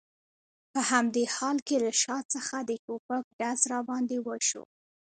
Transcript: په همدې حال کې له شا څخه د ټوپک ډز را باندې وشو.